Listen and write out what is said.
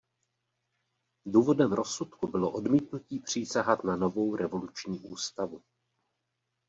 Důvodem rozsudku bylo odmítnutí přísahat na novou revoluční ústavu.